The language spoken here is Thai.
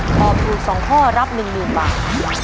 ตอบถูก๒ข้อรับ๑๐๐๐บาท